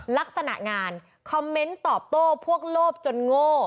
ลักษณะงานคอมเมนต์ตอบโต้พวกโลภจนโง่